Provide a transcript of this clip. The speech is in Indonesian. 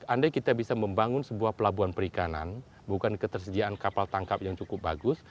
andai kita bisa membangun sebuah pelabuhan perikanan bukan ketersediaan kapal tangkap yang cukup bagus